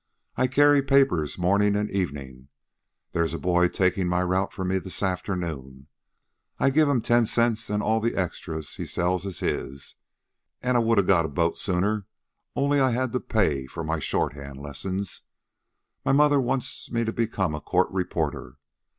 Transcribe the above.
I carry papers morning and evening there's a boy taking my route for me this afternoon I give 'm ten cents, an' all the extras he sells is his; and I'd a got the boat sooner only I had to pay for my shorthand lessons. My mother wants me to become a court reporter.